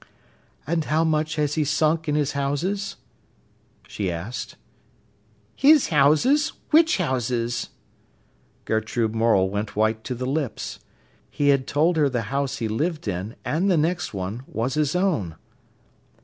"And how much has he sunk in his houses?" she asked. "His houses—which houses?" Gertrude Morel went white to the lips. He had told her the house he lived in, and the next one, was his own.